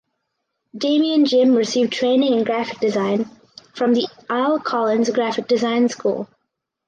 Damian Jim received training in graphic design from the Al Collins Graphic Design School.